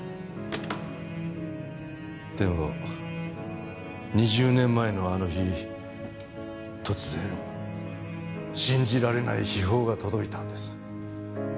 でも２０年前のあの日突然信じられない悲報が届いたんです。